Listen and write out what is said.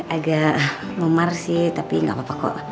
agak memar sih tapi nggak apa apa kok